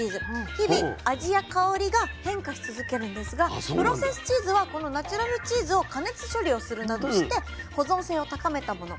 日々味や香りが変化し続けるんですがプロセスチーズはこのナチュラルチーズを加熱処理をするなどして保存性を高めたもの。